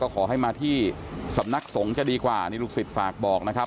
ขอให้มาที่สำนักสงฆ์จะดีกว่านี่ลูกศิษย์ฝากบอกนะครับ